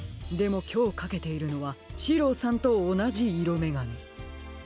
でもきょうかけているのはシローさんとおなじいろめがね。